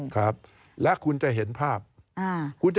การเลือกตั้งครั้งนี้แน่